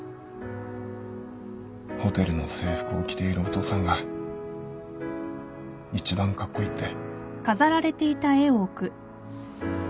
ホテルの制服を着ているお父さんが一番カッコイイって。